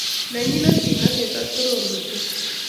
Nenyi kimnatet. ak torornatet.